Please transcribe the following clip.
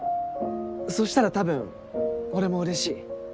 そしたら多分俺も嬉しい。